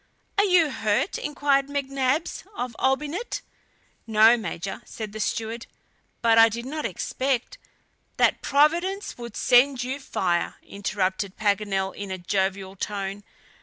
"Are you hurt?" inquired McNabbs of Olbinett. "No, Major," said the steward, "but I did not expect " "That Providence would send you fire," interrupted Paganel in a jovial tone.